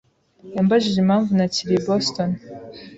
yambajije impamvu ntakiri i Boston.